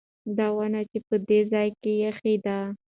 دا ونه چا په دې ځای کې ایښې ده؟